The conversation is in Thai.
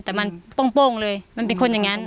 แต่มันโป้งเลยมันเป็นคนอย่างนั้น